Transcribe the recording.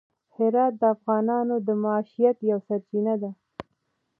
هرات د افغانانو د معیشت یوه سرچینه ده.